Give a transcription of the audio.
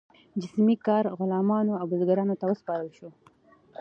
جسمي کار غلامانو او بزګرانو ته وسپارل شو.